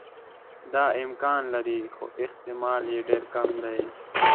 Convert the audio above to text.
دا امکان لري خو احتمال یې ډېر کم دی.